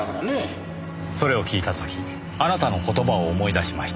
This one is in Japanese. それを聞いた時あなたの言葉を思い出しました。